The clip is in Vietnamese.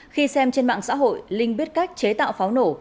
khi xem trên mạng xã hội linh biết cách chế tạo pháo nổ